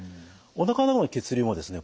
おなかの方の血流もですね